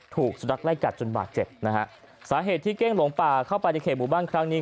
ถูกสุนัขไล่กัดจนบาดเจ็บนะฮะสาเหตุที่เก้งหลงป่าเข้าไปในเขตหมู่บ้านครั้งนี้